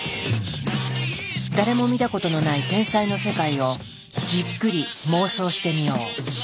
誰も見たことのない天才の世界をじっくり妄想してみよう。